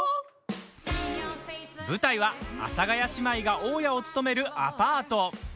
舞台は、阿佐ヶ谷姉妹が大家を務めるアパート。